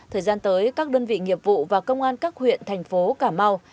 thời gian tới các đơn vị nghiệp vụ và công an các huyện thành phố cà mau